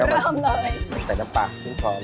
มาเริ่มเลยไปเข้าไปน้ำปากกินช้อน